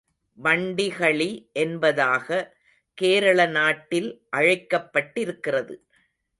வண்டிகளி என்பதாக கேரள நாட்டில் அழைக்கப்பட்டிருக்கிறது.